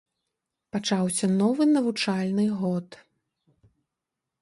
Пачаўся новы навучальны год.